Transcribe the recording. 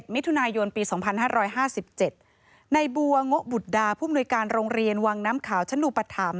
มิถุนายนปี๒๕๕๗ในบัวโงะบุตรดาผู้มนุยการโรงเรียนวังน้ำขาวชะนุปธรรม